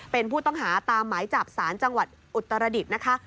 เป็นผู้ต้องหาตามหมายจับสารจังหวัดอุตรดิษฐ์นะคะ